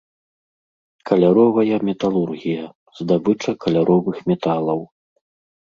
Каляровая металургія, здабыча каляровых металаў.